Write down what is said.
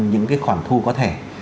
những cái khoản thu có thể